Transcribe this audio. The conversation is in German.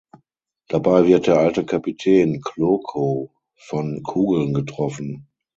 Dabei wird der alte Kapitän Klockow von Kugeln getroffen.